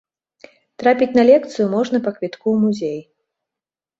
Трапіць на лекцыю можна па квітку ў музей.